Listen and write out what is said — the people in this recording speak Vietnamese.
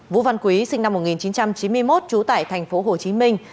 vũ văn quý sinh năm một nghìn chín trăm chín mươi một trú tại thành phố hồ chí minh